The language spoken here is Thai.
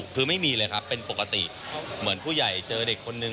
คือไม่มีเลยครับเป็นปกติเหมือนผู้ใหญ่เจอเด็กคนนึง